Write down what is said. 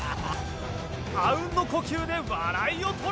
あうんの呼吸で笑いをとれ！